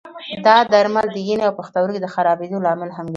دا درمل د ینې او پښتورګي د خرابېدو لامل هم ګرځي.